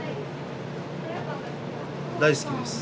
大好きです。